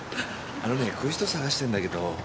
あのねこういう人捜してんだけど。